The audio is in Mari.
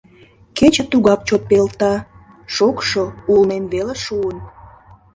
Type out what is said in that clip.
Кече тугак чот пелта, шокшо улнен веле шуын.